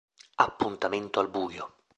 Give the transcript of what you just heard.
Appuntamento al buio